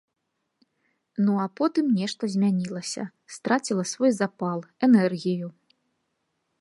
Ну, а потым нешта змянілася, страціла свой запал, энергію.